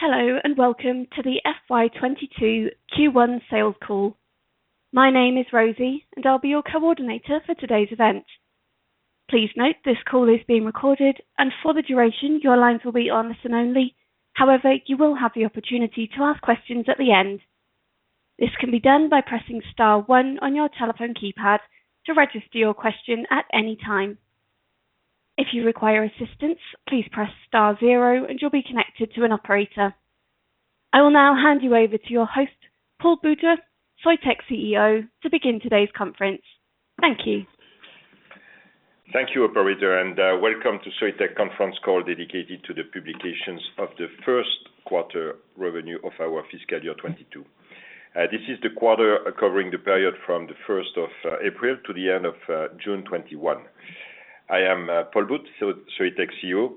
Hello, and welcome to the FY 2022 Q1 sales call. My name is Rosie, and I'll be your coordinator for today's event. Please note this call is being recorded, and for the duration, your lines will be on listen only. However, you will have the opportunity to ask questions at the end. This can be done by pressing star 1 on your telephone keypad to register your question at any time. If you require assistance, please press star 0 and you'll be connected to an operator. I will now hand you over to your host, Paul Boudre, Soitec CEO, to begin today's conference. Thank you. Thank you, operator, and welcome to Soitec conference call dedicated to the publications of the first quarter revenue of our fiscal year 2022. This is the quarter covering the period from the 1st of April to the end of June 2021. I am Paul Boudre, Soitec CEO.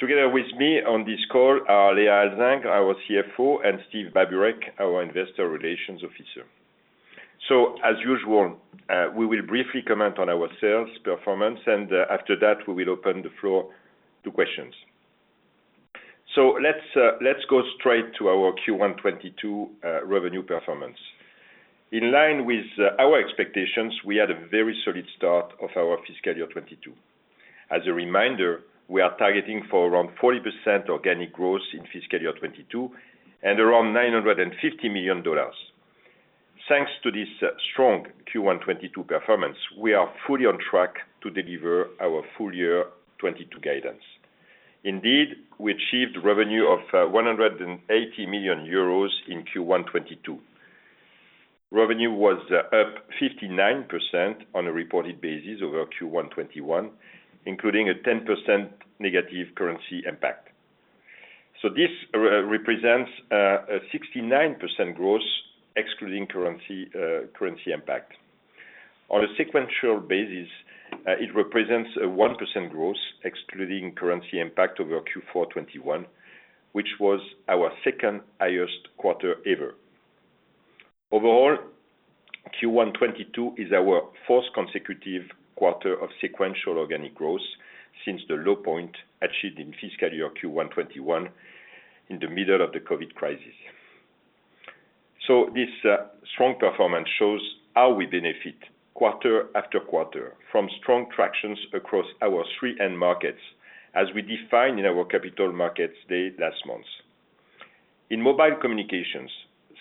Together with me on this call are Léa Alzingre, our CFO, and Steve Baburek, our investor relations officer. As usual, we will briefly comment on our sales performance, and after that, we will open the floor to questions. Let's go straight to our Q1 2022 revenue performance. In line with our expectations, we had a very solid start of our fiscal year 2022. As a reminder, we are targeting for around 40% organic growth in fiscal year 2022, and around $950 million. Thanks to this strong Q1 2022 performance, we are fully on track to deliver our full year 2022 guidance. Indeed, we achieved revenue of 180 million euros in Q1 2022. Revenue was up 59% on a reported basis over Q1 2021, including a 10% negative currency impact. This represents a 69% growth excluding currency impact. On a sequential basis, it represents a 1% growth excluding currency impact over Q4 2021, which was our second-highest quarter ever. Overall, Q1 2022 is our fourth consecutive quarter of sequential organic growth since the low point achieved in fiscal year Q1 2021, in the middle of the COVID crisis. This strong performance shows how we benefit quarter after quarter from strong tractions across our three end markets, as we defined in our Capital Markets Day last month. In mobile communications,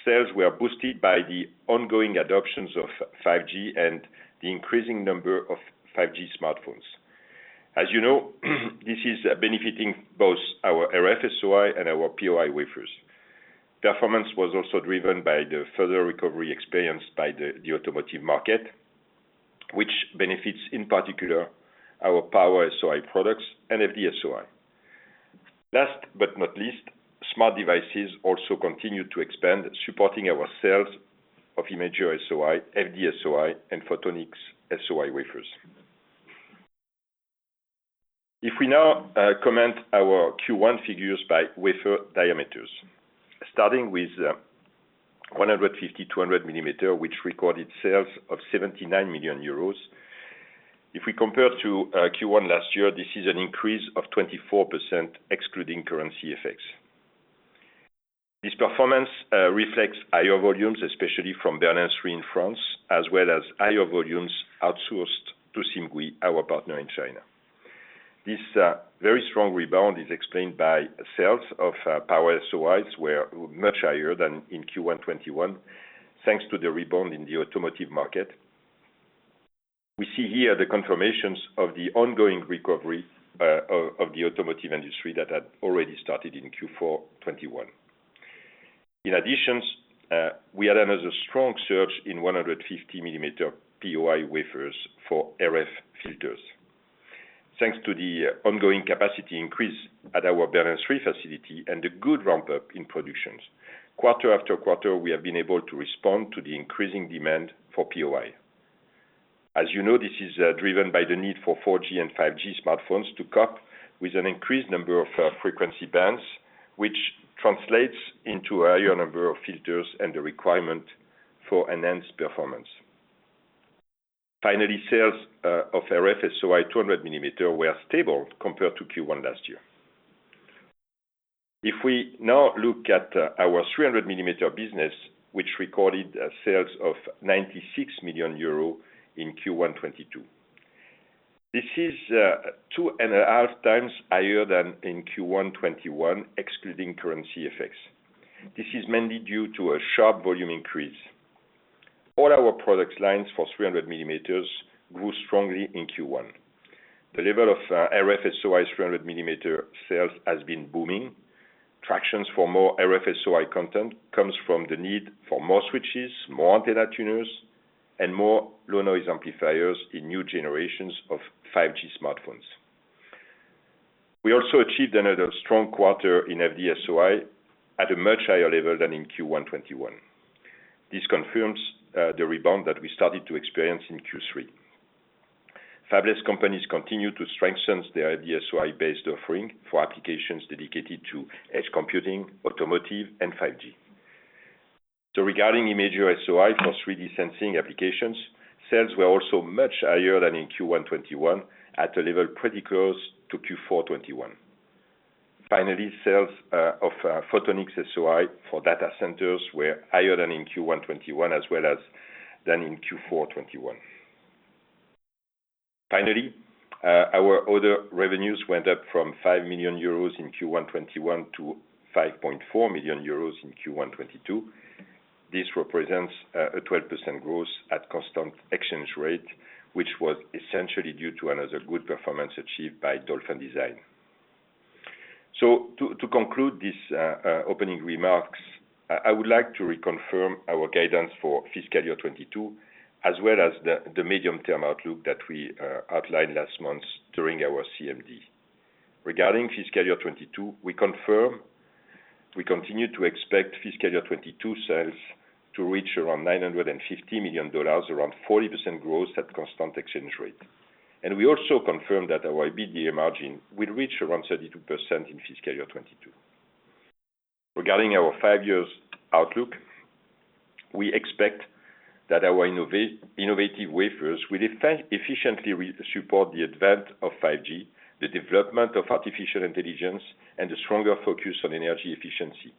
sales were boosted by the ongoing adoptions of 5G and the increasing number of 5G smartphones. As you know, this is benefiting both our RF-SOI and our POI wafers. Performance was also driven by the further recovery experienced by the automotive market, which benefits in particular our Power-SOI products and FD-SOI. Last but not least, smart devices also continued to expand, supporting our sales of Imager-SOI, FD-SOI, and Photonics-SOI wafers. We now comment our Q1 figures by wafer diameters, starting with 150/200 millimeter, which recorded sales of 79 million euros. We compare to Q1 last year, this is an increase of 24% excluding currency effects. This performance reflects higher volumes, especially from Bernin 3 in France, as well as higher volumes outsourced to Simgui, our partner in China. This very strong rebound is explained by sales of Power-SOIs were much higher than in Q1 2021, thanks to the rebound in the automotive market. We see here the confirmations of the ongoing recovery of the automotive industry that had already started in Q4 2021. In addition, we had another strong surge in 150 millimeter POI wafers for RF filters. Thanks to the ongoing capacity increase at our Bernin 3 facility and the good ramp-up in productions. Quarter after quarter, we have been able to respond to the increasing demand for POI. As you know, this is driven by the need for 4G and 5G smartphones to cope with an increased number of frequency bands, which translates into a higher number of filters and the requirement for enhanced performance. Sales of RF-SOI 200 millimeter were stable compared to Q1 last year. If we now look at our 300-millimeter business, which recorded sales of 96 million euro in Q1 2022. This is two and a half times higher than in Q1 2021, excluding currency effects. This is mainly due to a sharp volume increase. All our product lines for 300 millimeters grew strongly in Q1. The level of RF-SOI 300 mm sales has been booming. Traction for more RF-SOI content comes from the need for more switches, more antenna tuners, and more low-noise amplifiers in new generations of 5G smartphones. We also achieved another strong quarter in FD-SOI at a much higher level than in Q1 2021. This confirms the rebound that we started to experience in Q3. Fabless companies continue to strengthen their FD-SOI-based offering for applications dedicated to edge computing, automotive, and 5G. Regarding Imager-SOI for 3D sensing applications, sales were also much higher than in Q1 2021, at a level pretty close to Q4 2021. Finally, sales of Photonics-SOI for data centers were higher than in Q1 2021, as well as than in Q4 2021. Finally, our other revenues went up from 5 million euros in Q1 2021 to 5.4 million euros in Q1 2022. This represents a 12% growth at constant exchange rate, which was essentially due to another good performance achieved by Dolphin Design. To conclude these opening remarks, I would like to reconfirm our guidance for fiscal year 2022, as well as the medium-term outlook that we outlined last month during our CMD. Regarding fiscal year 2022, we confirm we continue to expect fiscal year 2022 sales to reach around $950 million, around 40% growth at constant exchange rate. We also confirm that our EBITDA margin will reach around 32% in fiscal year 2022. Regarding our five-year outlook, we expect that our innovative wafers will efficiently support the advent of 5G, the development of artificial intelligence, and a stronger focus on energy efficiency,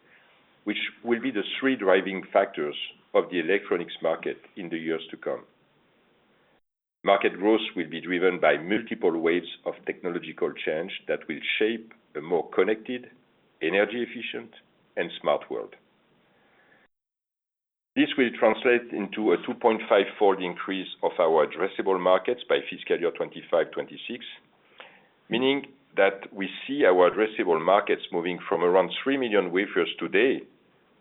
which will be the three driving factors of the electronics market in the years to come. Market growth will be driven by multiple waves of technological change that will shape a more connected, energy efficient, and smart world. This will translate into a 2.5x increase of our addressable markets by fiscal year 2025, 2026, meaning that we see our addressable markets moving from around 3 million wafers today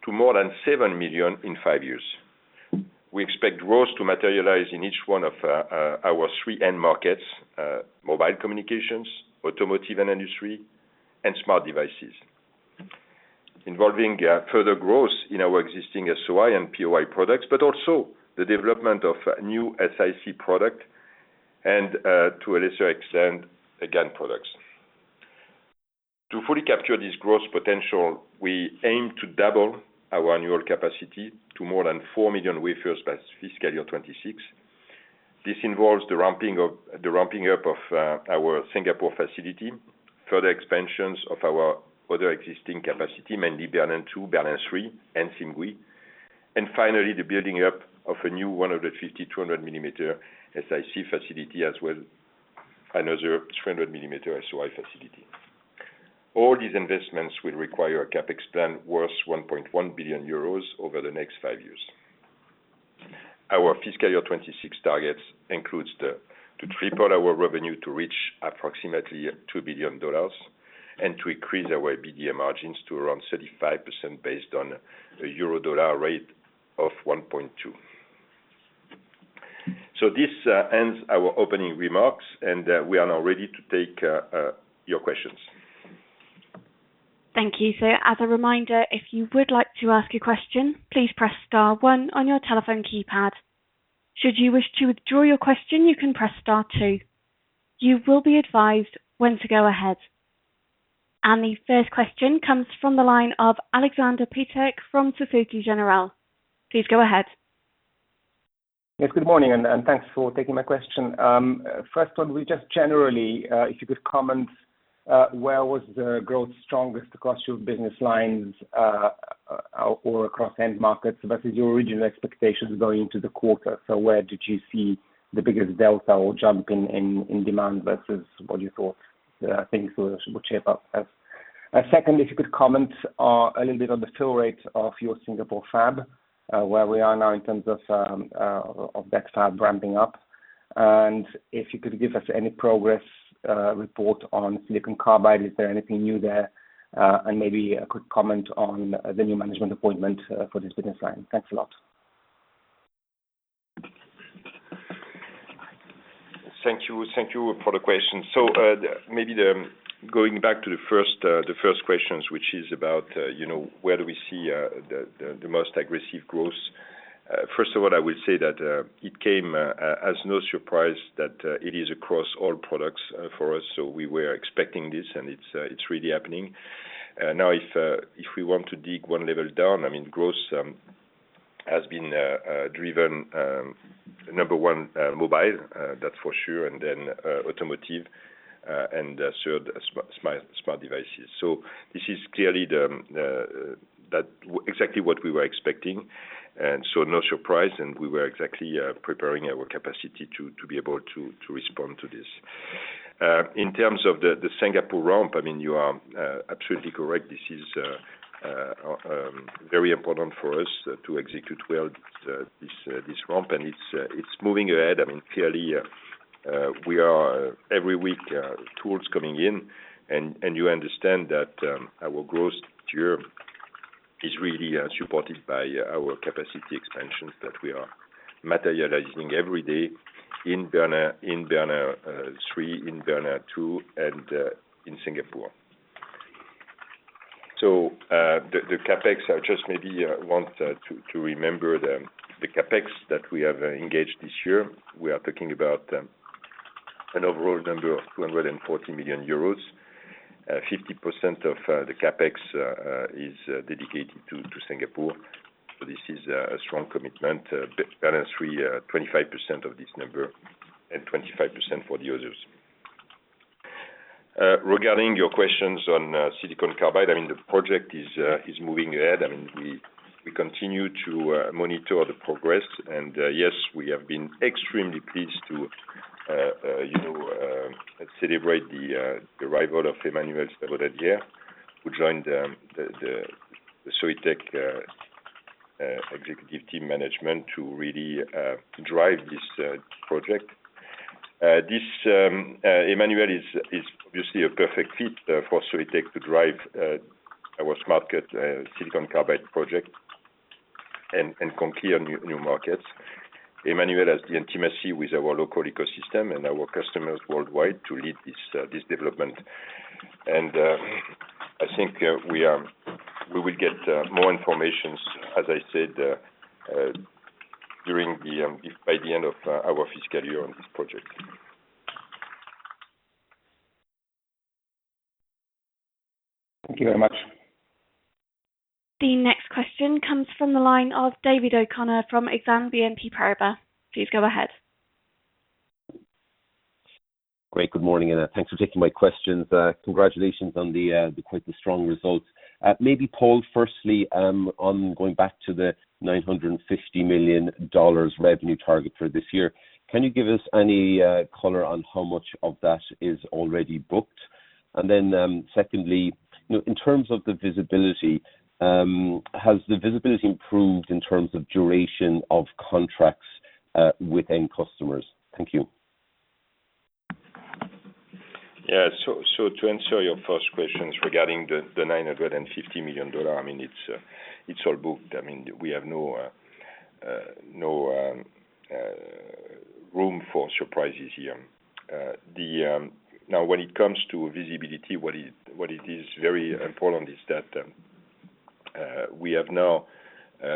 to more than 7 million in 5 years. We expect growth to materialize in each one of our 3 end markets: mobile communications, automotive and industry, and smart devices. Involving further growth in our existing SOI and POI products, but also the development of new SiC product and, to a lesser extent, GaN products. To fully capture this growth potential, we aim to double our annual capacity to more than 4 million wafers by fiscal year 2026. This involves the ramping up of our Singapore facility, further expansions of our other existing capacity, mainly Bernin 2, Bernin 3, and Simgui. Finally, the building up of a new 150/200 millimeter SiC facility, as well another 300 millimeter SOI facility. All these investments will require a CapEx plan worth 1.1 billion euros over the next 5 years. Our fiscal year 2026 targets includes to triple our revenue to reach approximately $2 billion, and to increase our EBITDA margins to around 35%, based on a euro-dollar rate of 1.2. This ends our opening remarks, and we are now ready to take your questions. Thank you. As a reminder, if you would like to ask a question, please press star one on your telephone keypad. Should you wish to withdraw your question, you can press star two. You will be advised when to go ahead. The first question comes from the line of Alexander Peterc from Société Générale. Please go ahead. Yes, good morning, and thanks for taking my question. First one, just generally, if you could comment, where was the growth strongest across your business lines, or across end markets versus your original expectations going into the quarter? Where did you see the biggest delta or jump in demand versus what you thought things would shape up as? Second, if you could comment a little bit on the fill rate of your Singapore fab, where we are now in terms of that fab ramping up. If you could give us any progress report on silicon carbide, is there anything new there? Maybe a quick comment on the new management appointment for this business line. Thanks a lot. Thank you for the question. Maybe going back to the first questions, which is about where do we see the most aggressive growth. First of all, I will say that it came as no surprise that it is across all products for us. We were expecting this, and it's really happening. Now if we want to dig one level down, growth has been driven, number one, mobile, that's for sure. Then automotive, and third, smart devices. This is clearly exactly what we were expecting. No surprise, and we were exactly preparing our capacity to be able to respond to this. In terms of the Singapore ramp, you are absolutely correct. This is very important for us to execute well, this ramp, and it's moving ahead. Clearly, every week, tools coming in. You understand that our growth year is really supported by our capacity expansions that we are materializing every day in Bernin 3, in Bernin 2, and in Singapore. The CapEx, I just maybe want to remember the CapEx that we have engaged this year. We are talking about an overall number of €240 million. 50% of the CapEx is dedicated to Singapore. This is a strong commitment. Balance sheet 25% of this number and 25% for the others. Regarding your questions on silicon carbide, the project is moving ahead. We continue to monitor the progress. Yes, we have been extremely pleased to celebrate the arrival of Emmanuel Sabonnadière, who joined the Soitec executive team management to really drive this project. Emmanuel is obviously a perfect fit for Soitec to drive our Smart Cut silicon carbide project and conquer new markets. Emmanuel has the intimacy with our local ecosystem and our customers worldwide to lead this development. I think we will get more information, as I said, by the end of our fiscal year on this project. Thank you very much. The next question comes from the line of David O'Connor from Exane BNP Paribas. Please go ahead. Great. Good morning, and thanks for taking my questions. Congratulations on the quite strong results. Maybe, Paul, firstly, on going back to the $950 million revenue target for this year, can you give us any color on how much of that is already booked? Then secondly, in terms of the visibility, has the visibility improved in terms of duration of contracts with end customers? Thank you. Yeah. To answer your first questions regarding the $950 million, it's all booked. We have no room for surprises here. When it comes to visibility, what it is very important is that we have now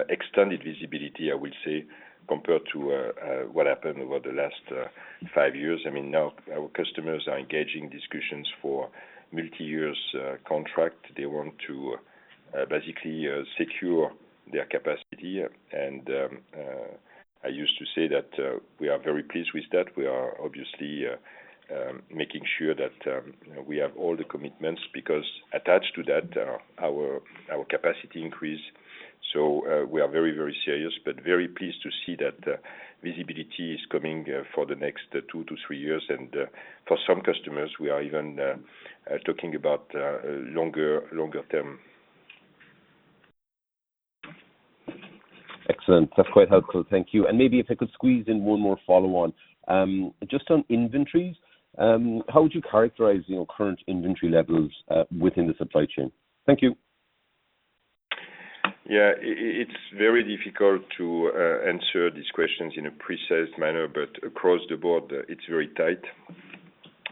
extended visibility, I will say, compared to what happened over the last five years. Our customers are engaging discussions for multi-years contract. They want to basically secure their capacity. I used to say that we are very pleased with that. We are obviously making sure that we have all the commitments, because attached to that, our capacity increase. We are very, very serious, but very pleased to see that visibility is coming for the next two to three years. For some customers, we are even talking about longer term. Excellent. That's quite helpful. Thank you. Maybe if I could squeeze in one more follow-on. Just on inventories, how would you characterize your current inventory levels within the supply chain? Thank you. Yeah. It's very difficult to answer these questions in a precise manner, but across the board, it's very tight.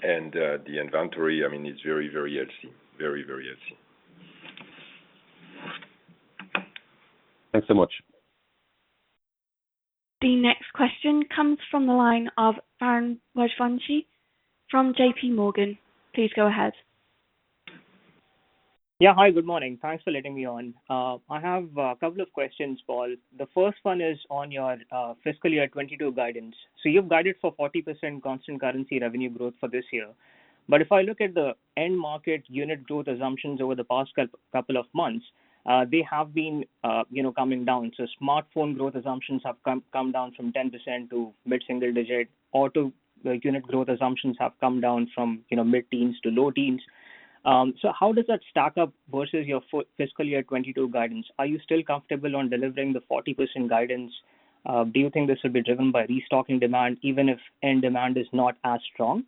The inventory is very, very healthy. Very, very healthy. Thanks so much. The next question comes from the line of Varun Rajwanshi from JPMorgan. Please go ahead. Yeah. Hi, good morning. Thanks for letting me on. I have two questions, Paul. The first one is on your fiscal year 2022 guidance. You've guided for 40% constant currency revenue growth for this year. If I look at the end market unit growth assumptions over the past two months, they have been coming down. Smartphone growth assumptions have come down from 10% to mid-single digit. Auto unit growth assumptions have come down from mid-teens to low teens. How does that stack up versus your fiscal year 2022 guidance? Are you still comfortable on delivering the 40% guidance? Do you think this will be driven by restocking demand even if end demand is not as strong?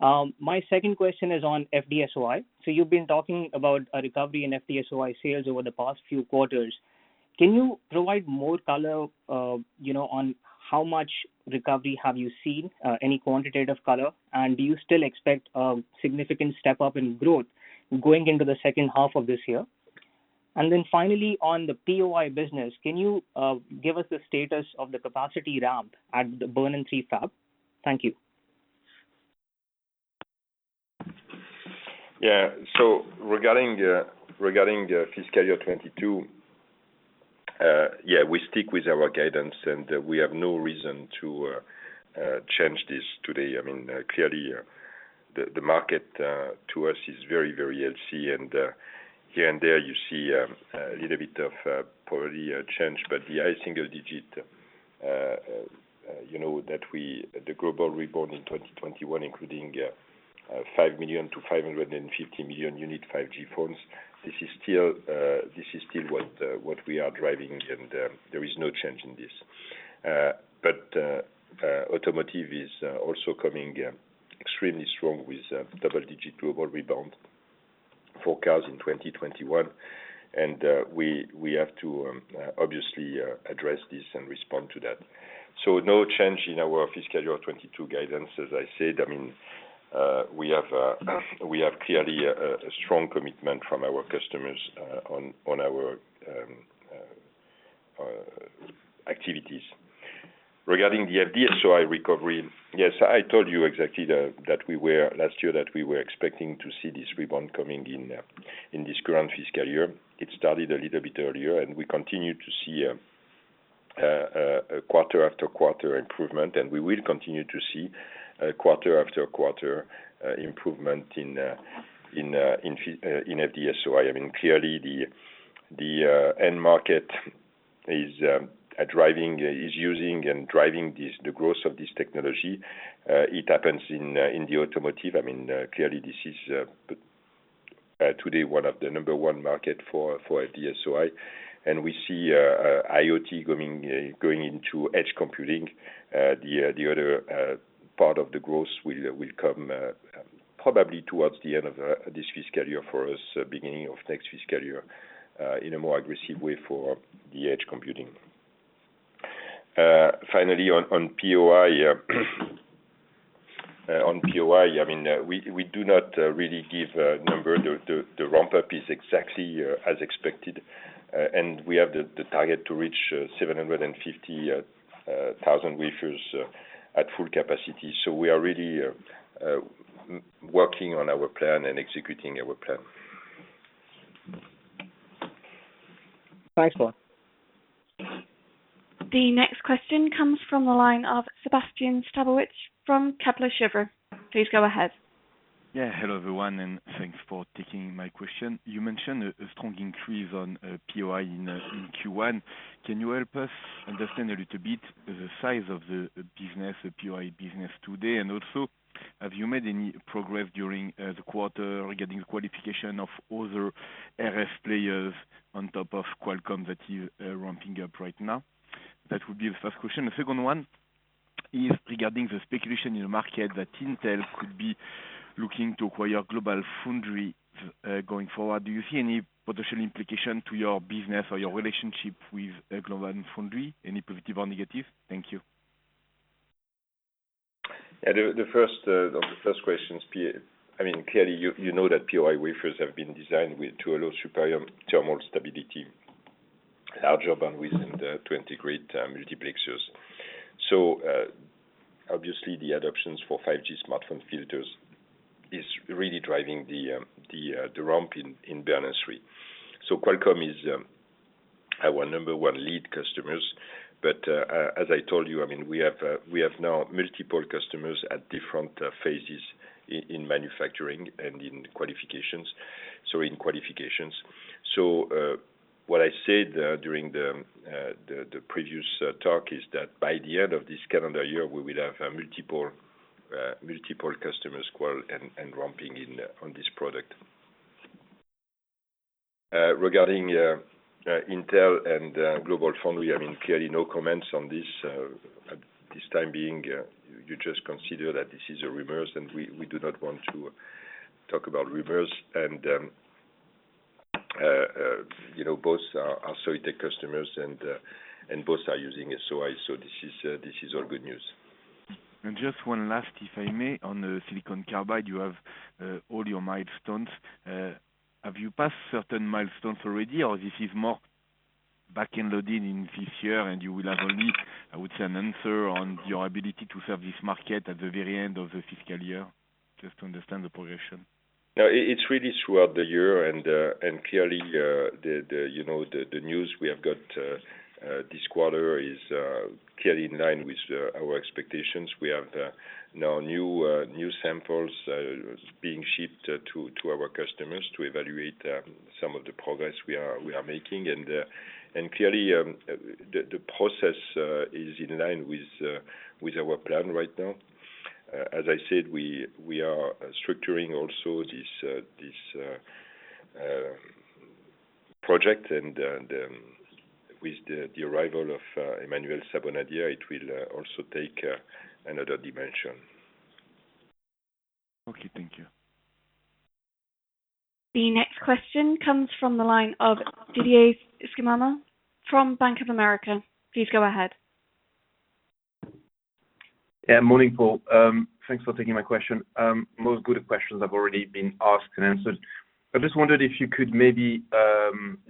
My second question is on FD-SOI. You've been talking about a recovery in FD-SOI sales over the past few quarters. Can you provide more color on how much recovery have you seen, any quantitative color? Do you still expect a significant step up in growth going into the second half of this year? Finally, on the POI business, can you give us the status of the capacity ramp at the Bernin 3 fab? Thank you. Regarding the fiscal year 2022, we stick with our guidance. We have no reason to change this today. Clearly, the market to us is very, very healthy. Here and there, you see a little bit of polarity change. The high single digit that the global rebound in 2021, including 5 million to 550 million unit 5G phones. This is still what we are driving. There is no change in this. Automotive is also coming extremely strong with double-digit global rebound forecast in 2021. We have to obviously address this and respond to that. No change in our fiscal year 2022 guidance. As I said, we have clearly a strong commitment from our customers on our activities. Regarding the FD-SOI recovery. Yes, I told you exactly that last year that we were expecting to see this rebound coming in this current fiscal year. It started a little bit earlier. We continue to see a quarter after quarter improvement, and we will continue to see a quarter after quarter improvement in FD-SOI. The end market is using and driving the growth of this technology. It happens in the automotive. This is today one of the number one market for FD-SOI, and we see IoT going into edge computing. The other part of the growth will come probably towards the end of this fiscal year for us, beginning of next fiscal year, in a more aggressive way for the edge computing. On POI, we do not really give a number. The ramp-up is exactly as expected. We have the target to reach 750,000 wafers at full capacity. We are really working on our plan and executing our plan. Thanks a lot. The next question comes from the line of Sébastien Sztabowicz from Kepler Cheuvreux. Please go ahead. Hello, everyone, and thanks for taking my question. You mentioned a strong increase on POI in Q1. Can you help us understand a little bit the size of the POI business today? Have you made any progress during the quarter regarding the qualification of other RF players on top of Qualcomm that you're ramping up right now? That would be the first question. The second one is regarding the speculation in the market that Intel could be looking to acquire GlobalFoundries going forward. Do you see any potential implication to your business or your relationship with GlobalFoundries, any positive or negative? Thank you. On the first question, clearly, you know that POI wafers have been designed to allow superior thermal stability, larger bandwidth, and to integrate multiplexers. Obviously the adoptions for 5G smartphone filters is really driving the ramp in business. Qualcomm is our number one lead customers. As I told you, we have now multiple customers at different phases in manufacturing and in qualifications. What I said during the previous talk is that by the end of this calendar year, we will have multiple customers qual and ramping on this product. Regarding Intel and GlobalFoundries, clearly no comments at this time. You just consider that this is a rumor, and we do not want to talk about rumors. Both are Soitec customers, and both are using SOI, so this is all good news. Just one last, if I may, on Silicon Carbide, you have all your milestones. Have you passed certain milestones already, or this is more back-end loading in this year and you will have only, I would say, an answer on your ability to serve this market at the very end of the fiscal year? Just to understand the progression. No, it's really throughout the year. Clearly, the news we have got this quarter is clearly in line with our expectations. We have now new samples being shipped to our customers to evaluate some of the progress we are making. Clearly, the process is in line with our plan right now. As I said, we are structuring also this project, and with the arrival of Emmanuel Sabonnadière, it will also take another dimension. Okay. Thank you. The next question comes from the line of Didier Scemama from Bank of America. Please go ahead. Yeah. Morning, Paul. Thanks for taking my question. Most good questions have already been asked and answered. I just wondered if you could maybe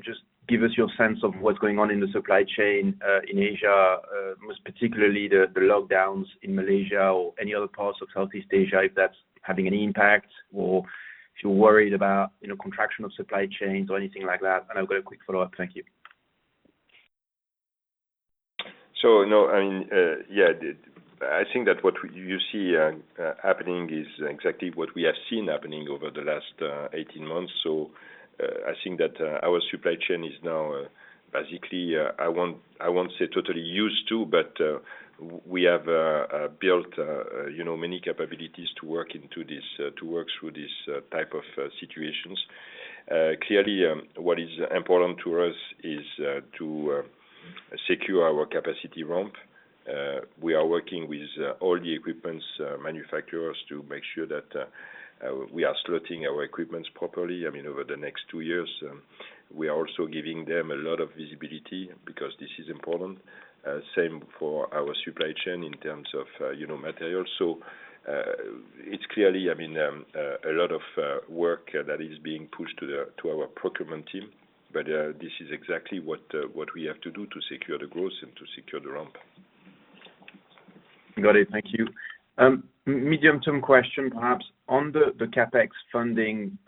just give us your sense of what's going on in the supply chain, in Asia, most particularly the lockdowns in Malaysia or any other parts of Southeast Asia, if that's having any impact or if you're worried about contraction of supply chains or anything like that. I've got a quick follow-up. Thank you. I think that what you see happening is exactly what we have seen happening over the last 18 months. I think that our supply chain is now basically, I won't say totally used to, but we have built many capabilities to work through these type of situations. Clearly, what is important to us is to secure our capacity ramp. We are working with all the equipment manufacturers to make sure that we are slotting our equipments properly over the next two years. We are also giving them a lot of visibility because this is important. Same for our supply chain in terms of materials. It's clearly a lot of work that is being pushed to our procurement team, but this is exactly what we have to do to secure the growth and to secure the ramp. Got it. Thank you. Medium-term question, perhaps, on the CapEx funding.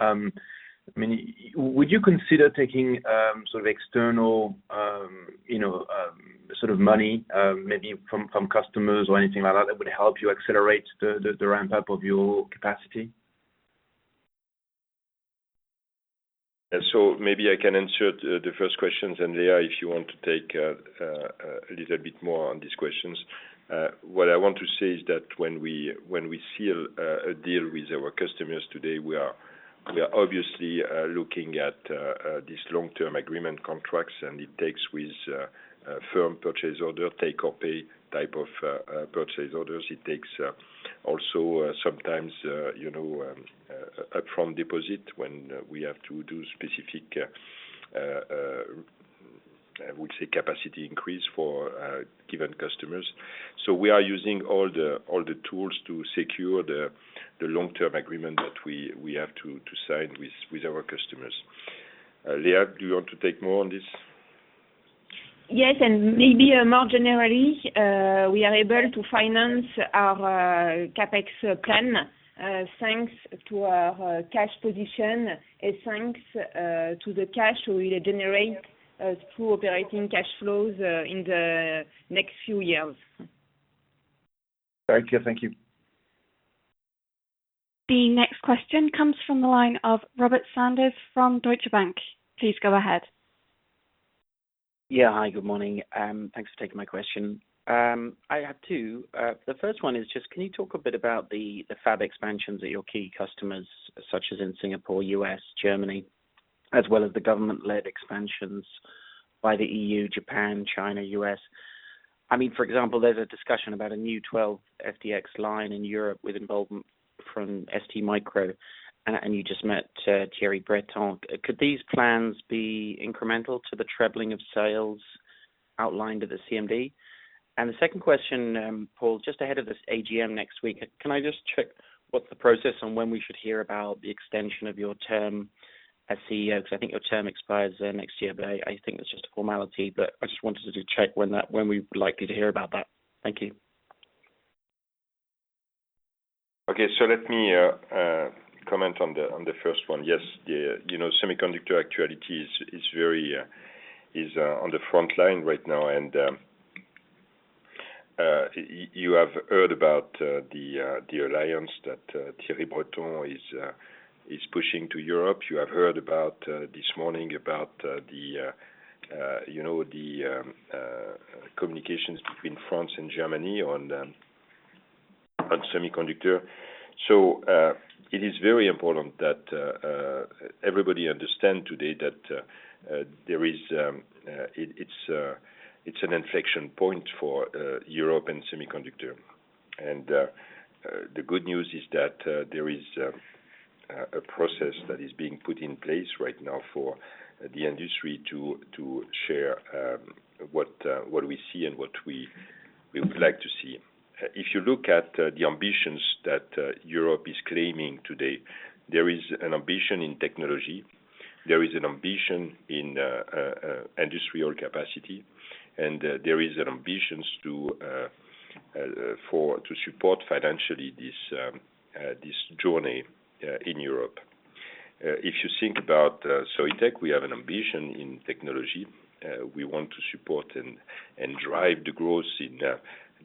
Would you consider taking external money, maybe from customers or anything like that would help you accelerate the ramp-up of your capacity? Maybe I can answer the first questions, and Léa, if you want to take a little bit more on these questions. What I want to say is that when we seal a deal with our customers today, we are obviously looking at these long-term agreement contracts, and it takes with firm purchase order, take or pay type of purchase orders. It takes also sometimes upfront deposit when we have to do specific, I would say, capacity increase for given customers. We are using all the tools to secure the long-term agreement that we have to sign with our customers. Léa, do you want to take more on this? Yes, maybe more generally, we are able to finance our CapEx plan thanks to our cash position and thanks to the cash we will generate through operating cash flows in the next few years. Very clear. Thank you. The next question comes from the line of Robert Sanders from Deutsche Bank. Please go ahead. Hi, good morning. Thanks for taking my question. I have two. The first one is can you talk a bit about the fab expansions at your key customers, such as in Singapore, U.S., Germany, as well as the government-led expansions by the EU, Japan, China, U.S.? For example, there's a discussion about a new 12 FDX line in Europe with involvement from STMicroelectronics. You just met Thierry Breton. Could these plans be incremental to the trebling of sales outlined at the CMD? The second question, Paul, ahead of this AGM next week, can I check what's the process on when we should hear about the extension of your term as CEO? I think your term expires next year, but I think it's a formality, but I wanted to check when we would likely to hear about that. Thank you. Let me comment on the first one. Yes, semiconductor actuality is on the frontline right now, and you have heard about the alliance that Thierry Breton is pushing to Europe. You have heard this morning about the communications between France and Germany on semiconductor. It is very important that everybody understand today that it's an inflection point for European semiconductor. The good news is that there is a process that is being put in place right now for the industry to share what we see and what we would like to see. If you look at the ambitions that Europe is claiming today, there is an ambition in technology, there is an ambition in industrial capacity, and there is an ambitions to support financially this journey in Europe. If you think about Soitec, we have an ambition in technology. We want to support and drive the growth in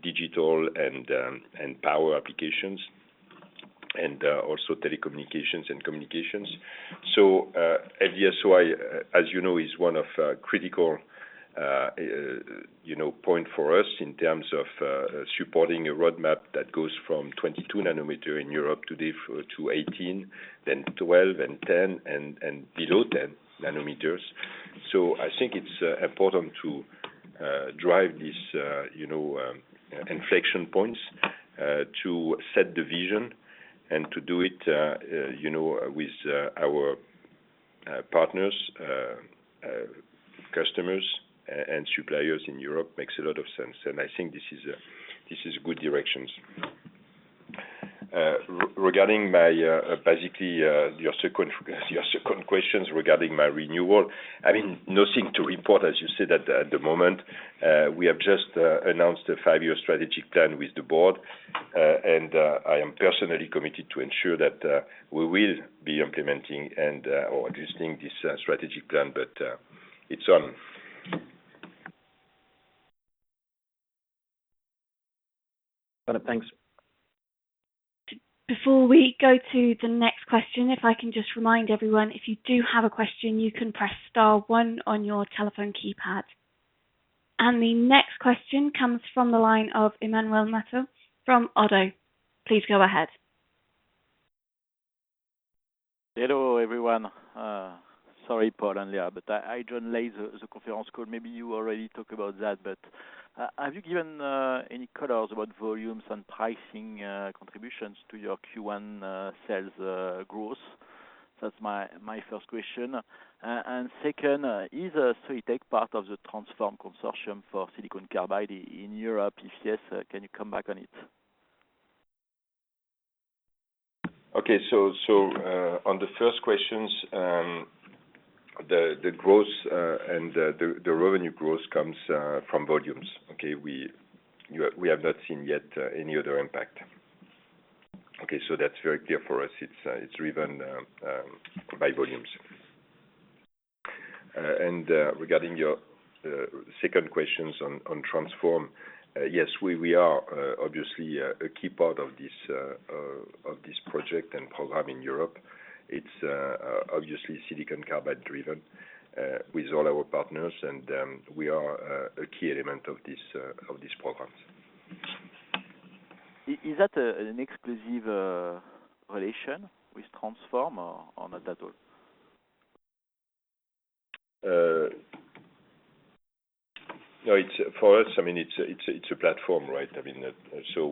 digital and power applications, and also telecommunications and communications. FD-SOI, as you know, is one of critical point for us in terms of supporting a roadmap that goes from 22 nanometer in Europe today to 18, then 12, and 10, and below 10 nanometers. I think it's important to drive these inflection points to set the vision and to do it with our partners, customers, and suppliers in Europe makes a lot of sense. I think this is good directions. Regarding my, basically, your second question regarding my renewal. Nothing to report, as you said, at the moment. We have just announced a five-year strategic plan with the Board, and I am personally committed to ensure that we will be implementing and/or adjusting this strategic plan, but it's on. Got it. Thanks. Before we go to the next question, if I can just remind everyone, if you do have a question, you can press star one on your telephone keypad. The next question comes from the line of Emmanuel Matot from Oddo. Please go ahead. Hello, everyone. Sorry, Paul and Léa, but I joined late the conference call. Maybe you already talk about that, but have you given any colors about volumes and pricing contributions to your Q1 sales growth? That's my first question. Second, is Soitec part of the Transform Consortium for silicon carbide in Europe? If yes, can you come back on it? Okay. On the first questions, the revenue growth comes from volumes. Okay? We have not seen yet any other impact. Okay. That's very clear for us. It's driven by volumes. Regarding your second questions on Transform, yes, we are obviously a key part of this project and program in Europe. It's obviously silicon carbide driven with all our partners, and we are a key element of these programs. Is that an exclusive relation with Transform or not at all? For us, it's a platform, right?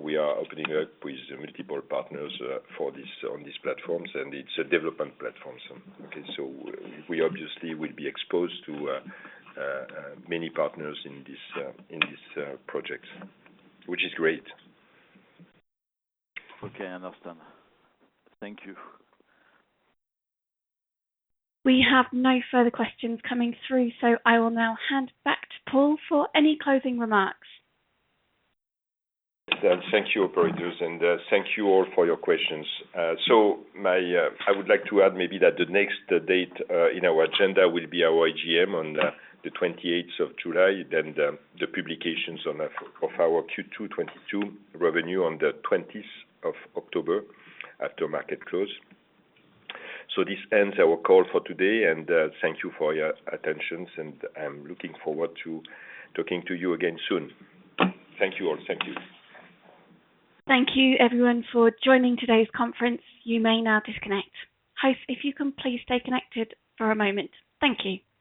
We are opening up with multiple partners on these platforms, and it's a development platform. Okay, we obviously will be exposed to many partners in this project, which is great. Okay, understood. Thank you. We have no further questions coming through. I will now hand back to Paul for any closing remarks. Thank you, operators, and thank you all for your questions. I would like to add maybe that the next date in our agenda will be our AGM on the 28th of July, then the publications of our Q2 2022 revenue on the 20th of October after market close. This ends our call for today, and thank you for your attention, and I'm looking forward to talking to you again soon. Thank you all. Thank you. Thank you everyone for joining today's conference. You may now disconnect. Hos, if you can please stay connected for a moment. Thank you.